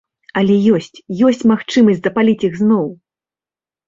Але ёсць, ёсць магчымасць запаліць іх ізноў!